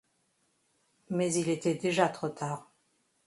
Mais il était déjà trop tard.